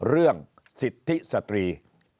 เรื่องสิทธิสตรี